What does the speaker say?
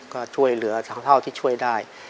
ก็ช่วยเหลือทั้งเท่าที่ช่วยได้